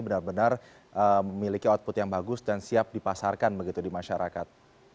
benar benar memiliki output yang bagus dan siap dipasarkan begitu di masyarakat